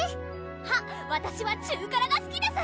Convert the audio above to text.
あっわたしは中辛がすきです